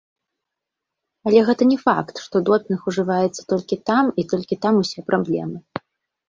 Але гэта не факт, што допінг ужываецца толькі там і толькі там усе праблемы.